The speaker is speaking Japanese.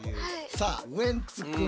さあウエンツくん。